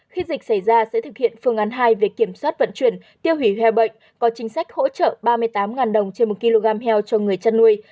khi dịch xảy ra sẽ thực hiện phương án hai về kiểm soát vận chuyển tiêu hủy heo bệnh có chính sách hỗ trợ ba mươi tám đồng trên một kg heo cho người chăn nuôi